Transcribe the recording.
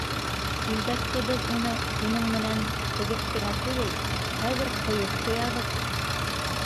Күлдәкте беҙ уны һинең менән тегеп кенә түгел, хәҙер ҡойоп ҡуябыҙ.